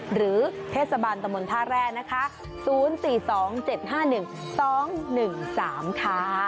หรือเทศบาลตะมนต์ท่าแร่นะคะ๐๔๒๗๕๑๒๑๓ค่ะ